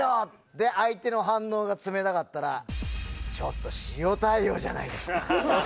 で相手の反応が冷たかったらちょっと塩対応じゃないですか。